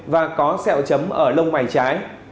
và có sẹo chấm ở lông mày trái